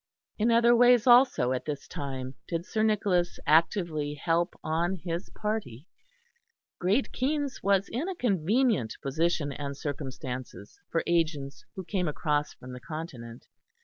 In other ways also at this time did Sir Nicholas actively help on his party. Great Keynes was in a convenient position and circumstances for agents who came across from the Continent.